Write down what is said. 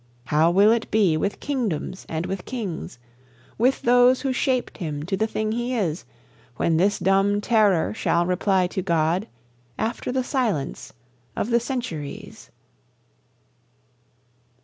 How will it be with kingdoms and with kings With those who shaped him to the thing he is When this dumb Terror shall reply to God, After the silence of the centuries?